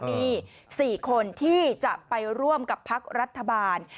มี๔คนที่จะไปร่วมกับพักรัฐบาล